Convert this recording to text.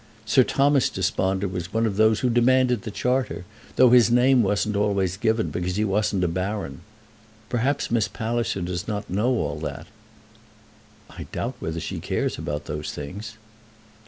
Sir Thomas Desponder was one of those who demanded the Charter, though his name wasn't always given because he wasn't a baron. Perhaps Miss Palliser does not know all that." "I doubt whether she cares about those things."